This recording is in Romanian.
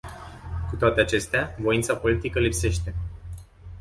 Cu toate acestea, voința politică lipsește.